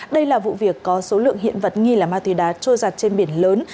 đây là vụ việc có số lượng hiện vật nghi là ma túy đá trôi giặt trên biển lớn